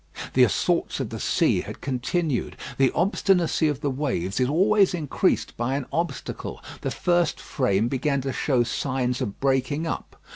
The assaults of the sea had continued. The obstinacy of the waves is always increased by an obstacle. The first frame began to show signs of breaking up.